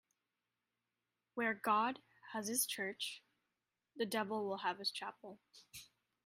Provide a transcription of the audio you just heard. Where God has his church, the devil will have his chapel.